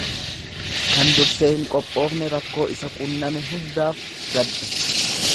Kan dursee hin qophoofne rakkoo isa qunname hundaaf gadda.